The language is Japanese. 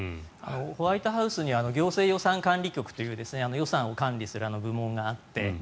ホワイトハウスに行政予算管理局という予算を管理する部門があって